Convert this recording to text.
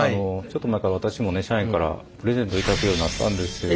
ちょっと前から私もね社員からプレゼントを頂くようになったんですよ。